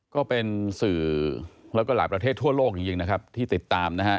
ก็เป็นสื่อแล้วก็หลายประเทศทั่วโลกจริงนะครับที่ติดตามนะฮะ